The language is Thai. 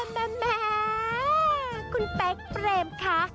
แม่แม่คุณแป๊กเปรมค่ะ